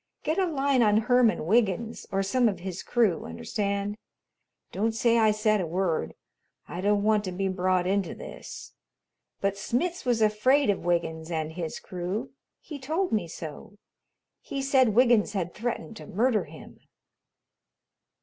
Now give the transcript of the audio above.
"Get a line on Herman Wiggins or some of his crew, understand? Don't say I said a word, I don't want to be brought into this, but Smitz was afraid of Wiggins and his crew. He told me so. He said Wiggins had threatened to murder him."